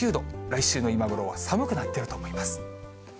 来週の今ごろは寒くなってると思います。